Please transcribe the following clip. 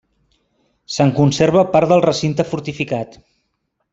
Se'n conserva part del recinte fortificat.